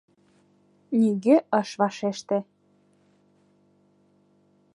Нигӧ ыш вашеште.